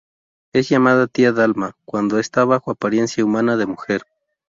Es llamada Tía Dalma cuando está bajo apariencia humana de mujer.